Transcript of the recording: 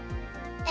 え？